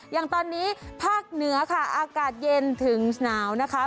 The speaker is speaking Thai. อย่างตอนนี้ภาคเหนือค่ะอากาศเย็นถึงหนาวนะคะ